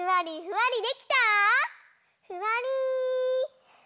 ふわり。